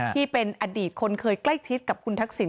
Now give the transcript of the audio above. ที่เป็นอดีตคนเคยใกล้ชิดกับคุณทักษิณ